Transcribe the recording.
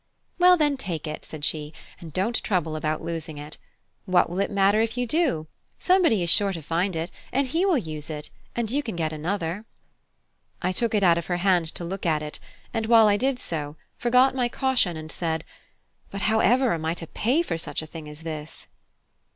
"Well, then, take it," said she, "and don't trouble about losing it. What will it matter if you do? Somebody is sure to find it, and he will use it, and you can get another." I took it out of her hand to look at it, and while I did so, forgot my caution, and said, "But however am I to pay for such a thing as this?"